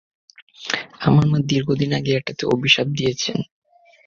আমার মা দীর্ঘদিন আগে এটাতে অভিশাপ দিয়েছেন।